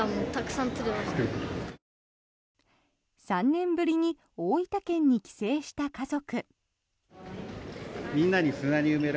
３年ぶりに大分県に帰省した家族。